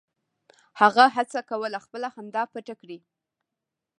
هغه هڅه کوله خپله خندا پټه کړي